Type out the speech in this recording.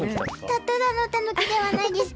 たただのタヌキではないです。